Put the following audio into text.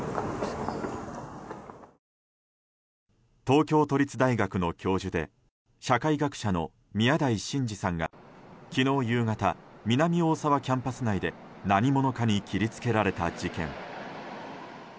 東京都立大学の教授で社会学者の宮台真司さんが昨日夕方、南大沢キャンパス内で何者かに切りつけられた事件。